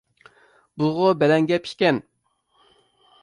بۇغۇ بەلەن گەپ ئىكەن.